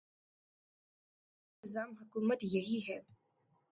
پاکستان کا اصل نظام حکومت یہی ہے۔